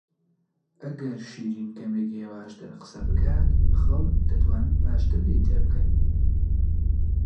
ئەگەر شیرین کەمێک هێواشتر قسە بکات، خەڵک دەتوانن باشتر لێی تێبگەن.